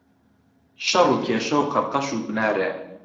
شەڕ و کێشە و قەڕقەش و بنارێ.